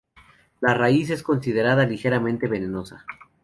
La raíz es considerada ligeramente venenosa.